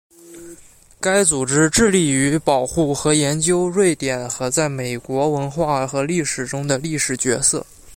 该组织致力于保护和研究瑞典和在美国文化和历史中的历史角色。